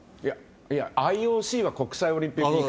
いや、ＩＯＣは国際オリンピック委員会。